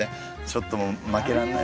ちょっともまけられない。